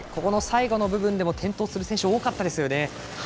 最後の部分でも転倒する選手が多かったですね。